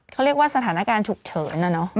เขาเรียกว่าสถานการณ์ฉุกเฉินนะเนอะ